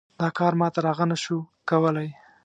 دا کار ما تر هغه نه شو کولی.